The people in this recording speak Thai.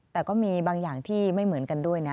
แต่ก็มีบางอย่างที่ไม่เหมือนกันด้วยนะ